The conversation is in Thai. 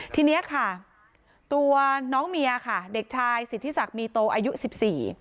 ทีเนี้ยค่ะตัวน้องเมียค่ะเด็กชายสิทธิศักดิ์มีโตอายุสิบสี่